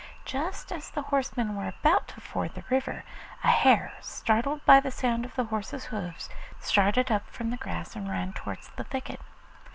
Just as the horsemen were about to ford the river, a hare, startled by the sound of the horses' hoofs, started up from the grass and ran towards the thicket.